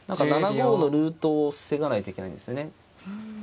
７五のルートを防がないといけないんですよね。